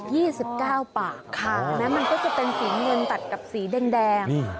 ยี่สิบเก้าป่าค่ะมันก็จะเป็นสีเงินตัดกับสีแดงนี่